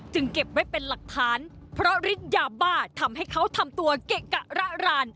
เก็บไว้เป็นหลักฐานเพราะฤทธิ์ยาบ้าทำให้เขาทำตัวเกะกะระราน